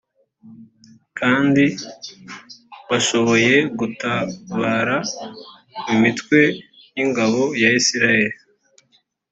kandi bashoboye gutabara mu mitwe y’ingabo ya israheli.